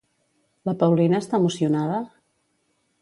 La Paulina està emocionada?